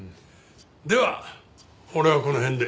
では俺はこの辺で。